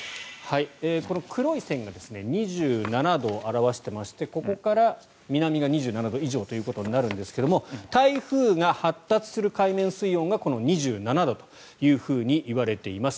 この黒い線が２７度を表していましてここから南が２７度以上となるんですが台風が発達する海面水温がこの２７度というふうに言われています。